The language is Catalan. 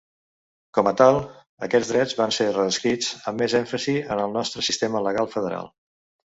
Com a tal, aquests drets van ser reescrits amb més èmfasi en el nostre sistema legal federal.